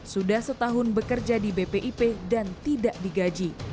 sudah setahun bekerja di bpip dan tidak digaji